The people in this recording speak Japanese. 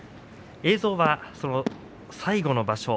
映像は最後の場所